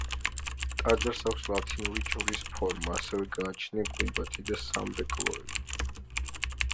ტაძარს აქვს ლათინური ჯვრის ფორმა, ასევე გააჩნია გუმბათი და სამრეკლოები.